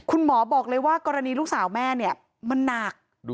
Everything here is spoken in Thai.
คุณหมอบอกเลยว่ากรณีลูกสาวแม่มาหนัก